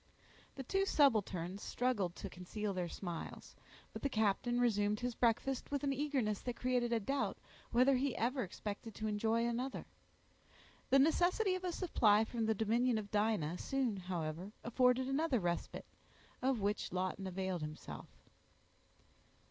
The two subalterns struggled to conceal their smiles; but the captain resumed his breakfast with an eagerness that created a doubt, whether he ever expected to enjoy another. The necessity of a supply from the dominion of Dinah soon, however, afforded another respite, of which Lawton availed himself.